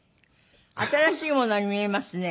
新しいものに見えますね。